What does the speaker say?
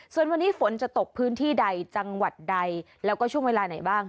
ส่วนวันนี้ฝนจะตกพื้นที่ใดจังหวัดใดแล้วก็ช่วงเวลาไหนบ้าง